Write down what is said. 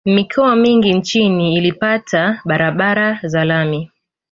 mikoa mingi nchini ilipata barabara za lami